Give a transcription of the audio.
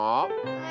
はい。